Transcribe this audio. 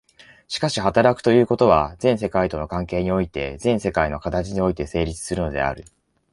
しかし働くということは、全世界との関係において、全世界の形において成立するのである。